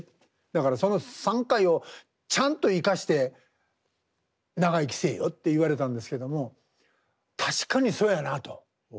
だからその３回をちゃんと生かして長生きせえよ」って言われたんですけども確かにそやなと。